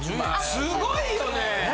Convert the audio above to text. すごいよね。